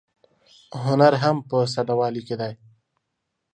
هنر هم په ساده والي کې دی.